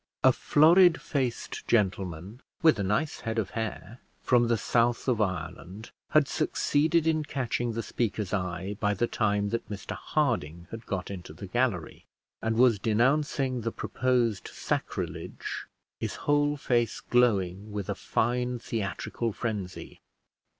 A florid faced gentleman with a nice head of hair, from the south of Ireland, had succeeded in catching the speaker's eye by the time that Mr Harding had got into the gallery, and was denouncing the proposed sacrilege, his whole face glowing with a fine theatrical frenzy.